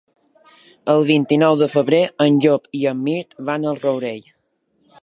El vint-i-nou de febrer en Llop i en Mirt van al Rourell.